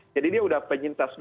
jadi dia sudah penyintas dua kali